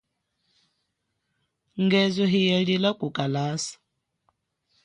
Ngezo hiya lila kukalasa.